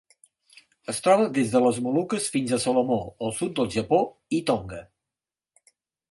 Es troba des de les Moluques fins a Salomó, el sud del Japó i Tonga.